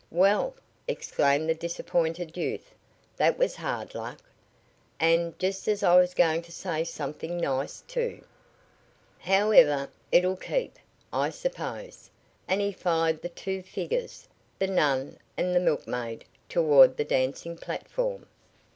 "Well!" exclaimed the disappointed youth, "that was hard luck. And just as I was going to say something nice, too. However, it'll keep, I suppose," and he followed the two figures the nun and the milkmaid toward the dancing platform.